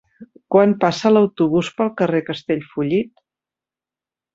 Quan passa l'autobús pel carrer Castellfollit?